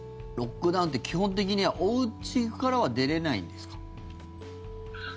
ロックダウンって基本的にはおうちからは出れないんですか？